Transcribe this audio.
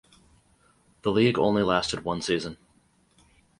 The league only lasted one season.